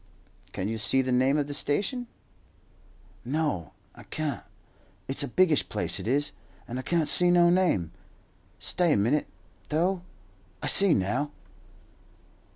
"Can you see the name of the station?" "No, I can't. It's a biggish place it is, and I can't see no name. Stay a minute, though. I see now."